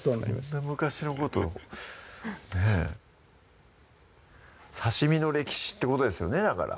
そんな昔のことねぇ刺身の歴史ってことですよねだから